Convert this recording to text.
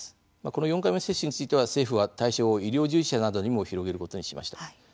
この４回目接種については政府は対象を医療従事者などにも広げることにしました。